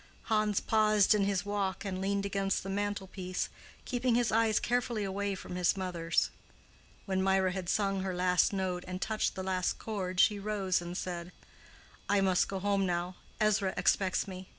Hans paused in his walk and leaned against the mantel piece, keeping his eyes carefully away from his mother's. When Mirah had sung her last note and touched the last chord, she rose and said, "I must go home now. Ezra expects me."